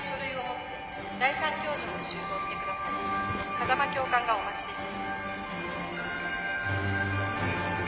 風間教官がお待ちです。